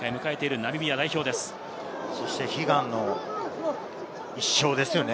そして悲願の１勝ですよね。